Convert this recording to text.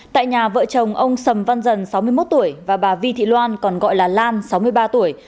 tại nhà vợ chồng ông sầm văn dần sáu mươi một tuổi và bà vi thị loan còn gọi là lan sáu mươi ba tuổi